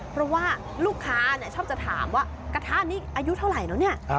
เพราะว่าลูกค้าชอบถามว่ากระทะนี้อายุเท่าไรเนอะ